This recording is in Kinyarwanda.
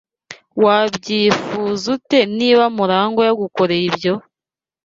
Wabyifuza ute niba Murangwa yagukoreye ibyo?